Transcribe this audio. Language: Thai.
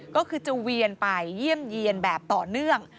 ก็คือจะเวียนไปเยี่ยมเยี่ยนแบบต่อเนื่อง